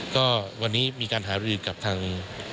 ก็วันนี้มีการหารือกับทาง